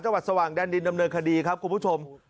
จังหวัดสว่างแดนดินดำเนินคดีครับคุณผู้ชม